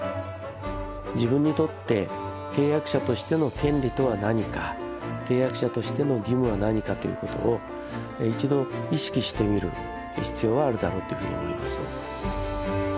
自分にとって契約者としての権利とは何か契約者としての義務は何かという事を一度意識してみる必要はあるだろうというふうに思います。